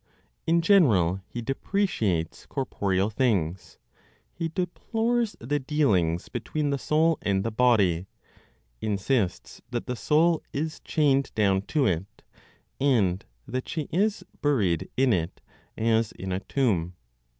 In general, he depreciates corporeal things; he deplores the dealings between the soul and the body; insists that the soul is chained down to it, and that she is buried in it as in a tomb.